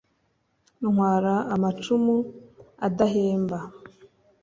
Ntwara amacumu adahemba.